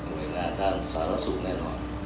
หน่วยงานด้านศาลสูตรแน่นอน